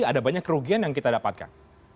ada banyak kerugian yang kita dapatkan